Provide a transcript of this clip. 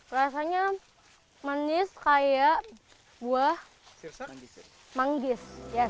rasanya manis kayak buah manggis